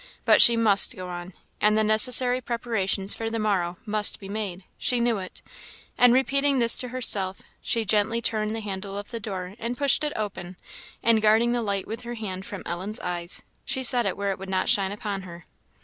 But she must go on, and the necessary preparations for the morrow must be made she knew it; and repeating this to herself, she gently turned the handle of the door, and pushed it open, and guarding the light with her hand from Ellen's eyes, she set it where it would not shine upon her.